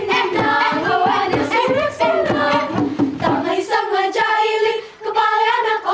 nakbap mak bapak mak bapak